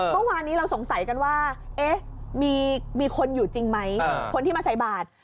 เมื่อวานนี้เราสงสัยกันว่ามีคนอยู่จริงไหมคนที่มาใส่บาท